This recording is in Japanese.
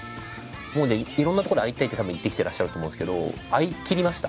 いろんなとこで「会いたい」とたぶん言ってきてらっしゃると思うんですけど会いきりました？